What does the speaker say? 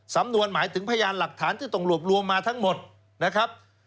สำนวนหมายถึงพยานหลักฐานที่ต้องรวบรวมมาทั้งหมดนะครับ